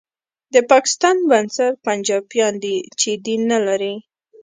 د پاکستان بنسټ پنجابیان دي چې دین نه لري